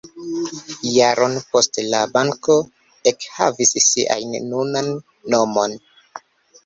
Jaron poste la banko ekhavis sian nunan nomon.